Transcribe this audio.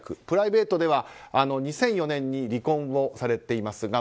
プライベートでは２００４年に離婚をされています。